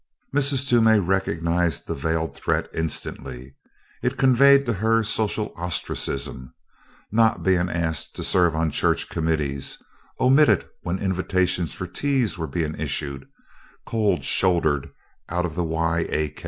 Mrs. Toomey recognized the veiled threat instantly. It conveyed to her social ostracism not being asked to serve on church committees omitted when invitations for teas were being issued cold shouldered out of the Y.A.